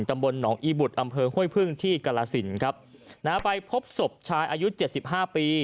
ตำบลหนองอีบุตรอำเภอห้วยพึ่งที่กรสินครับนะฮะไปพบศพชายอายุเจ็ดสิบห้าปี